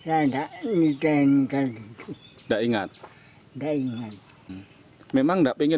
oh tidak tega sama ayamnya